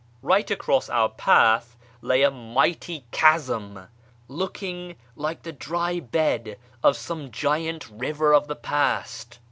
Eight across our path lay a mighty chasm, looking like the dry bed of some giant river of the j)ast.